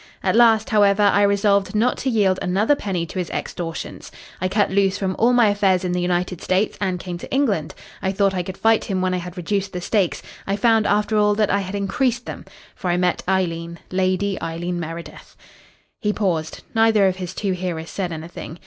At last, however, I resolved not to yield another penny to his extortions. I cut loose from all my affairs in the United States and came to England. I thought I could fight him when I had reduced the stakes. I found after all that I had increased them, for I met Eileen Lady Eileen Meredith." He paused. Neither of his two hearers said anything.